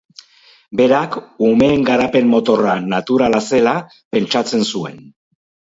Berak, umeen garapen motorra naturala zela, pentsatzen zuen.